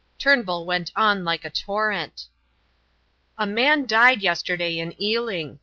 Turnbull went on like a torrent. "A man died yesterday in Ealing.